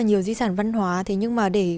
nhiều di sản văn hóa thế nhưng mà để